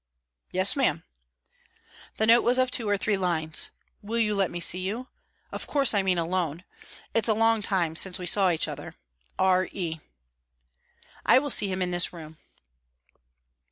"Yes, ma'am." The note was of two or three lines: "Will you let me see you? Of course I mean alone. It's a long time since we saw each other. R. E." "I will see him in this room."